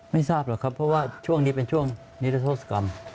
ไม่ทราบหรอกครับเพราะว่าช่วงนี้เป็นช่วงนิรโทษกรรม